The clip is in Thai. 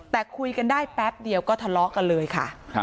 แต่คุยกันได้แป๊บเดียวก็ทะเลาะกันเลยค่ะ